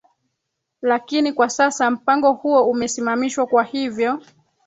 Lakini kwa sasa mpango huo umesimamishwa Kwa hivyo